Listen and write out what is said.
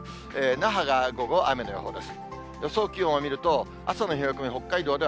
那覇が午後雨の予報です。